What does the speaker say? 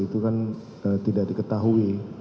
itu kan tidak diketahui